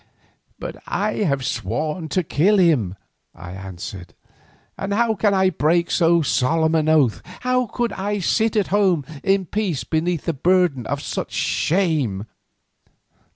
"But I have sworn to kill him," I answered, "and how can I break so solemn an oath? How could I sit at home in peace beneath the burden of such shame?"